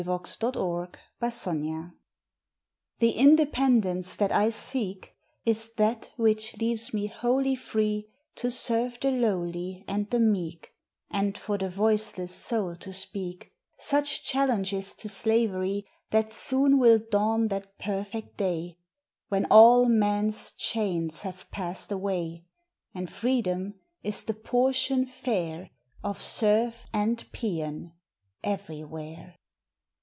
July Third FREEDOM HPHE independence that I seek Is that which leaves me wholly free To serve the lowly and the meek, And for the voiceless soul to speak Such challenges to slavery That soon. will dawn that perfect day When all men s chains have passed away, And Freedom is the portion fair Of Serf and Peon everywhere!